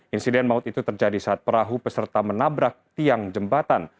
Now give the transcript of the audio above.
insiden maut itu terjadi saat perahu peserta menabrak tiang jembatan